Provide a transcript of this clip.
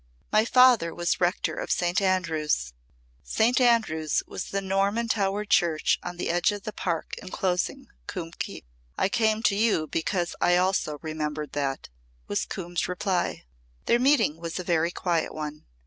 "My father was rector of St. Andrews." St. Andrews was the Norman towered church on the edge of the park enclosing Coombe Keep. "I came to you because I also remembered that," was Coombe's reply. Their meeting was a very quiet one.